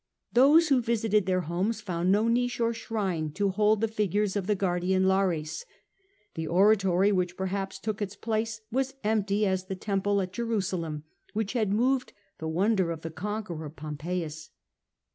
Those who visited their cused of homes found no little niche or shrine to hold the figures of the guardian Lares ; the oratory which per haps took its place was empty as the temple at Jerusalem which had moved the wonder of the conqueror Pompeius.